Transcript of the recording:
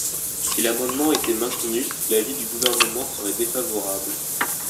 Si l’amendement était maintenu, l’avis du Gouvernement serait défavorable.